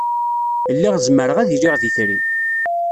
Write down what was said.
Lliɣ zemreɣ ad iliɣ d itri.